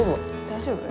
大丈夫？